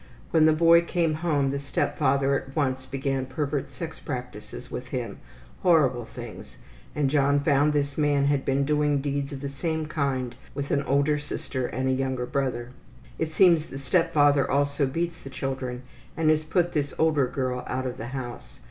When the boy came home the step father at once began pervert sex practices with him, horrible things, and John found this man had been doing deeds of the same kind with an older sister and a younger brother. It seems the step father also beats the children and has put this older girl out of the house.